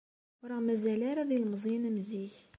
Ur aɣ-mazal ara d ilemẓiyen am zik.